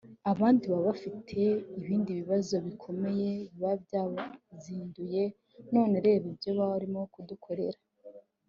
abandi baba bafite ibindi bibazo bikomeye biba byabazinduye none reba ibyo barimo kudukorera”